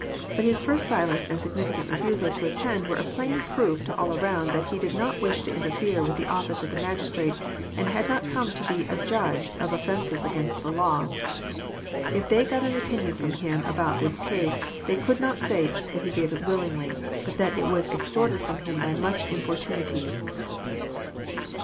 But His first silence and significant reftisal to attend were a plain proof to all around that He did not wish to interfere with the office of the. magistrate, and had noT^me to be a judge of offen ces against the law. If they got an opinion from Him about \ this case, they could not say that He gave it willingly, but that it was extorted from Him by much importunity.